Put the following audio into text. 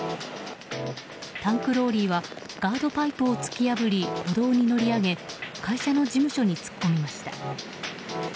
タンクローリーはガードパイプを突き破り歩道に乗り上げ会社の事務所に突っ込みました。